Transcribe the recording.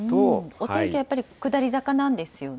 お天気、やっぱり下り坂なんですよね。